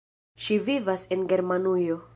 Ŝi vivas en Germanujo.